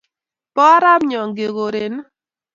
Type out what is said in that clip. Po arap Nyongi koret ni.